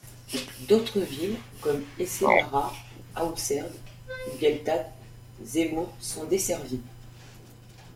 D'autres villes comme Es-Semara, Aousserd et Gueltat Zemmour sont desservies.